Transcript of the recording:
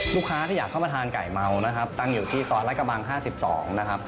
ลูกค้าที่อยากเข้ามาทานไก่เมานะครับตั้งอยู่ที่ซอยรัฐกระบัง๕๒นะครับ